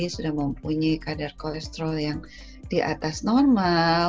sudah mempunyai kadar kolesterol yang di atas normal